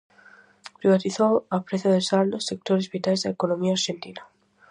Privatizou, a prezo de saldo, sectores vitais da economía arxentina.